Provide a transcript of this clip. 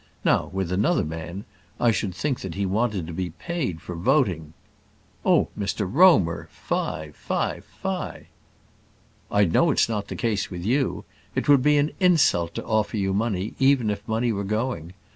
Now with another man, I should think that he wanted to be paid for voting " "Oh, Mr Romer! fie fie fie!" "I know it's not the case with you. It would be an insult to offer you money, even if money were going.